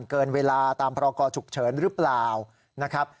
เกินเวลาตามพรกรฉุกเฉินหรือเปล่านะครับ